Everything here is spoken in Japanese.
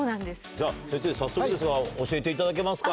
じゃあ先生早速ですが教えていただけますか？